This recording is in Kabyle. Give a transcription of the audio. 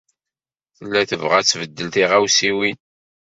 Tella tebɣa ad tbeddel tiɣawsiwin.